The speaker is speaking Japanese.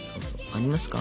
ありますか？